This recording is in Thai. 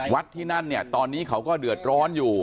ที่นั่นเนี่ยตอนนี้เขาก็เดือดร้อนอยู่